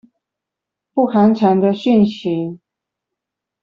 不寒蟬的訊息